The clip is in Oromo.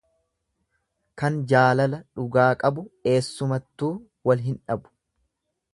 Kan jaalala dhugaa qabu eessumattuu wal hin dhabu.